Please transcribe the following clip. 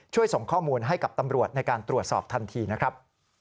ส่งข้อมูลให้กับตำรวจในการตรวจสอบทันทีนะครับ